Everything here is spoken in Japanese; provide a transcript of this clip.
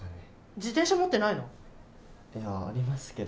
自転車持ってないの？いや。ありますけど。